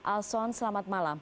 alson selamat malam